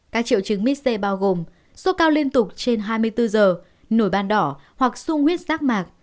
các triệu chứng mít c bao gồm sốt cao liên tục trên hai mươi bốn giờ nổi ban đỏ hoặc sung huyết rác mạc